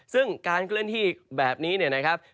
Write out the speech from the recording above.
ซึ่งการเคลื่อนที่แบบนี้เนี่ยนะครับ